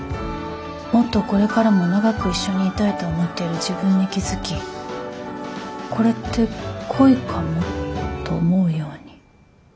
「もっとこれからも長く一緒にいたいと思ってる自分に気づきこれって恋かも？と思うように」。